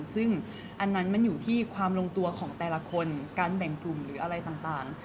ซึ่งอันนั้นมันอยู่ที่ความลงตัวของแต่ละคนการแบ่งกลุ่มหรืออะไรต่าง